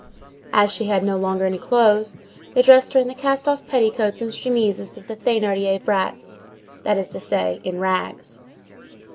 As she had no longer any clothes, they dressed her in the cast off petticoats and chemises of the Thénardier brats; that is to say, in rags.